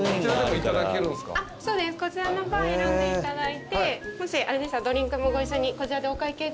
そうですこちらのパン選んでいただいてもしあれでしたらドリンクもご一緒にこちらでお会計後。